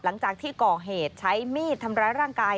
หลังจากที่ก่อเหตุใช้มีดทำร้ายร่างกาย